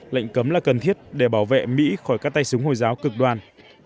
lệnh cấm là cần thiết để bảo vệ mỹ khỏi các tay súng hồi giáo cực đoan